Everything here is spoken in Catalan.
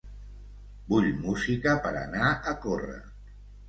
Vull música per a anar a córrer.